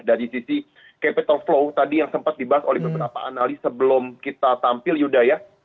dari sisi capital flow tadi yang sempat dibahas oleh beberapa analis sebelum kita tampil yuda ya